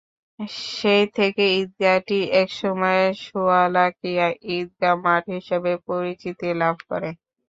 সেই থেকে ঈদগাহটি একসময় শোয়ালাকিয়া ঈদগাহ মাঠ হিসেবে পরিচিতি লাভ করে।